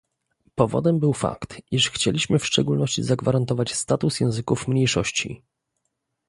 Powodem był fakt, iż chcieliśmy w szczególności zagwarantować status języków mniejszości